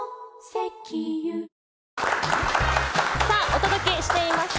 お届けしています